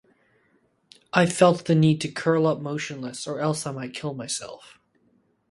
I felt the need to curl up motionless or else I might kill myself